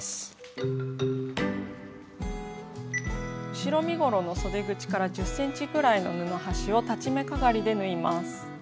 後ろ身ごろのそで口から１０ｃｍぐらいの布端を裁ち目かがりで縫います。